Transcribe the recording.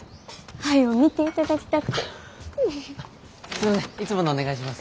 すいませんいつものお願いします。